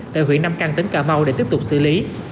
tại huyện nam căn tỉnh cà mau để tiếp tục xử lý